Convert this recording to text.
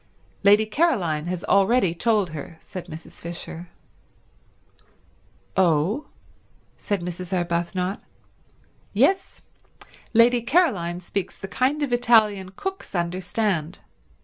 "Lady Caroline has already told her," said Mrs. Fisher. "Oh?" said Mrs. Arbuthnot. "Yes. Lady Caroline speaks the kind of Italian cooks understand.